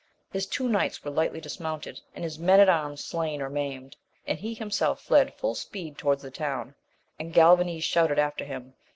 His two knights were lightly dismounted, and his men at arms slain or maimed, and he himself fled full speed towards the town, and Galvanes shouted after him.